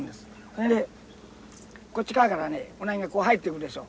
それでこっち側からねウナギがこう入ってくるでしょ？